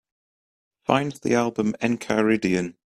Find the album Encheiridion